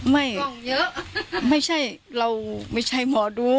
ไม่ไม่ใช่เราไม่ใช่หมอดู